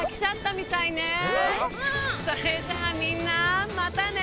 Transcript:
それじゃあみんなまたね！